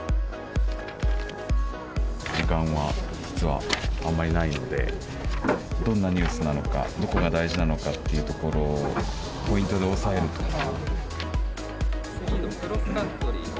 時間は実はあんまりないのでどんなニュースなのかどこが大事なのかっていうところをポイントで押さえると。